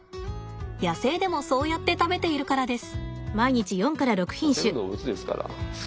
野生でもそうやって食べているからです。